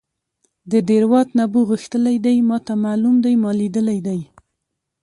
د دیراوت نبو غښتلی دی ماته معلوم دی ما لیدلی دی.